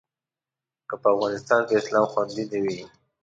که په افغانستان کې اسلام خوندي نه وي.